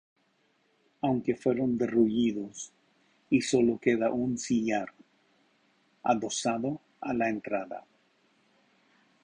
Aunque fueron derruidos, y solo queda un sillar adosado a la entrada.